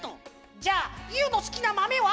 じゃあユーのすきなまめは？